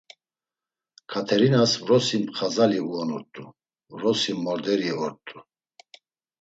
Katerinas vrosi mzaxali uonurt̆u, vrosi morderi ort̆u.